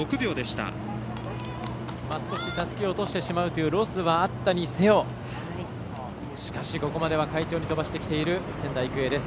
たすきを落としてしまうというロスがあったにせよしかし、ここまでは快調に飛ばしてきている仙台育英です。